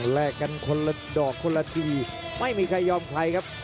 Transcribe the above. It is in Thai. แลกกันคนละดอกคนละทีไม่มีใครยอมใครครับ